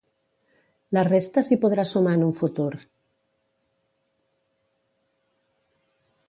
La resta s'hi podrà sumar en un futur.